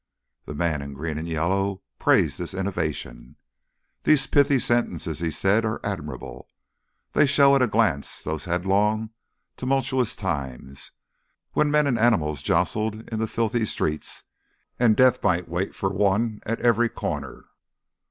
The man in green and yellow praised this innovation. "These pithy sentences," he said, "are admirable. They show at a glance those headlong, tumultuous times, when men and animals jostled in the filthy streets, and death might wait for one at every corner.